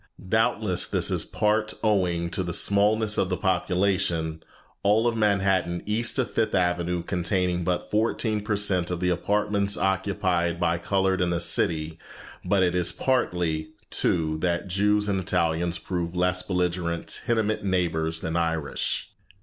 Doubtless this is in part owing to the smallness of the population, all of Manhattan east of Fifth Avenue containing but fourteen per cent of the apartments occupied by colored in the city; but it is partly, too, that Jews and Italians prove less belligerent tenement neighbors than Irish.